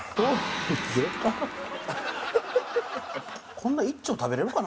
こんな１丁食べれるかな？